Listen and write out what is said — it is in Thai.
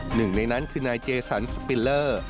หนึ่งในนั้นคือนายเจสันสปิลเลอร์